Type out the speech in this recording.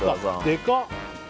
でかっ！